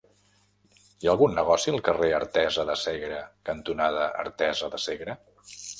Hi ha algun negoci al carrer Artesa de Segre cantonada Artesa de Segre?